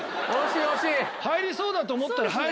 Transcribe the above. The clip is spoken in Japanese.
入りそうだと思ったら入るよ